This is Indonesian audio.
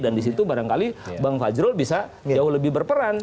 dan di situ barangkali bang fajrul bisa jauh lebih berperan